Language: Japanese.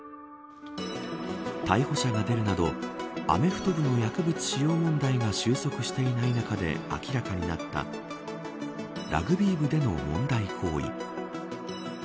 逮捕者が出るなどアメフト部の薬物使用問題が収束していない中で明らかになったラグビー部での問題行為。